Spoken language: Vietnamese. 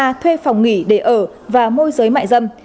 đạt đã thuê phòng nghỉ để ở và mua giới mại dâm